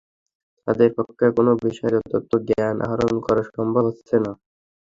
তাদের পক্ষে কোনো বিষয়ে যথার্থ জ্ঞান আহরণ করা সম্ভব হচ্ছে না।